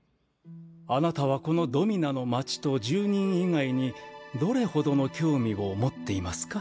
あなたはこのドミナの町と住人以外にどれほどの興味を持っていますか？